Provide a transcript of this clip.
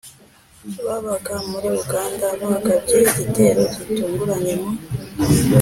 babaga muri uganda bagabye igitero gitunguranye mu